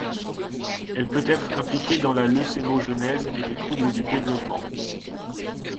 Elle peut être impliquée dans la leucémogenèse et les troubles du développement.